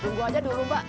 tunggu aja dulu mbak